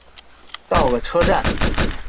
到了车站